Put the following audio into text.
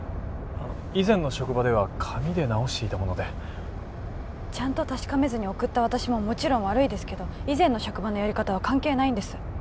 あの以前の職場では紙で直していたものでちゃんと確かめずに送った私ももちろん悪いですけど以前の職場のやり方は関係ないんです